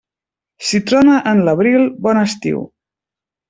Si trona en l'abril, bon estiu.